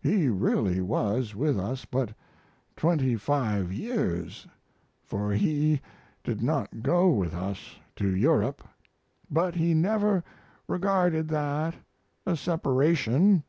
He really was with us but twenty five years, for he did not go with us to Europe; but he never regarded that a separation.